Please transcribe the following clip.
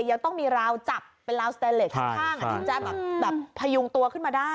ยังต้องมีราวจับเป็นราวสแตนเลสข้างถึงจะแบบพยุงตัวขึ้นมาได้